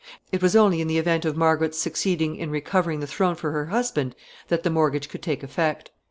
It was only in the event of Margaret's succeeding in recovering the throne for her husband that the mortgage could take effect.